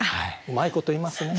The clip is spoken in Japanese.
うまいこと言いますね！